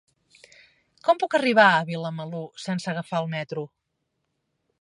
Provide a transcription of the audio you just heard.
Com puc arribar a Vilamalur sense agafar el metro?